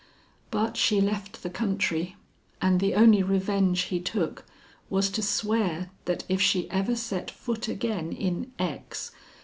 But she left the country, and the only revenge he took, was to swear that if she ever set foot again in X.